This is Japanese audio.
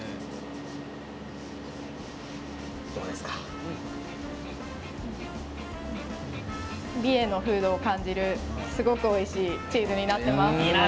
うん美瑛の風土を感じるすごくおいしいチーズになっています。